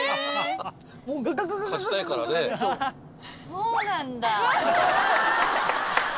そうなんだ。